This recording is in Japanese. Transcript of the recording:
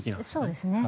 そうですね。